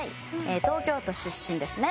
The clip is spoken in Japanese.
東京都出身ですね。